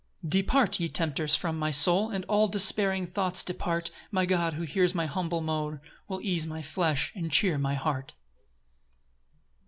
6 Depart, ye tempters, from my soul, And all despairing thoughts depart; My God, who hears my humble moan, Will ease my flesh, and cheer my heart.